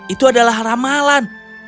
itu adalah ramalan